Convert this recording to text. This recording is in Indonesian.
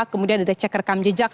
kemudian ada cek rekam jejak